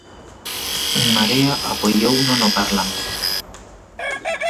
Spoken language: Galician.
En Marea apoiouno no Parlamento.